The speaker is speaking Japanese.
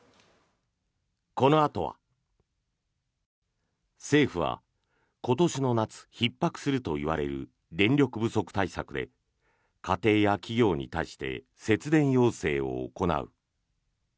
このあとは政府は今年の夏、ひっ迫するといわれる電力不足対策で家庭や企業に対して節電要請を行う。